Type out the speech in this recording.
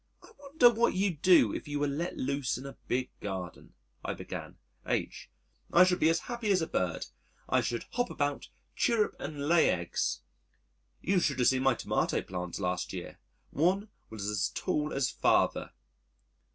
"I wonder what you'd do if you were let loose in a big garden," I began. H.: "I should be as happy as a bird. I should hop about, chirrup and lay eggs. You should have seen my tomato plants last year one was as tall as father."